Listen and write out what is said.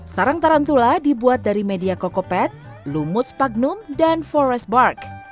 sarang tarantula dibuat dari media cokoped lumut spagnum dan forest bark